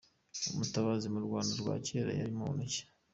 Umutabazi mu Rwanda rwa kera yari muntu ki ?.